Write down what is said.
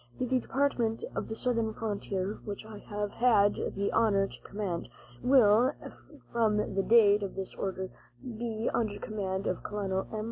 The department of the southern frontier, which I have had the honor to command, will, from the date of this order, be under the command of Colonel M.